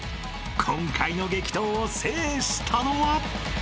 ［今回の激闘を制したのは？］